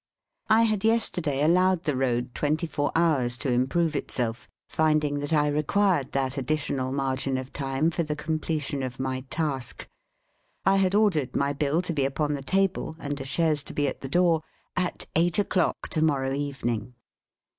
I had yesterday allowed the road twenty four hours to improve itself, finding that I required that additional margin of time for the completion of my task. I had ordered my Bill to be upon the table, and a chaise to be at the door, "at eight o'clock to morrow evening."